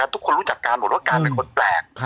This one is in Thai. ทุกคนรู้จักการหมดว่าการเป็นคนแปลก